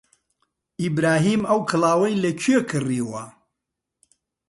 ئیبراهیم ئەو کڵاوەی لەکوێ کڕیوە؟